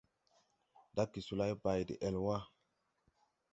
Dage solay bay de-́ɛl wà.